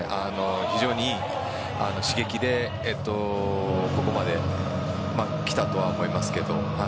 非常にいい刺激でここまで来たと思いますけど。